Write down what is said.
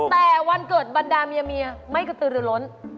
แต่วันเกิดบรรดาเมียไม่กระตือรือล้น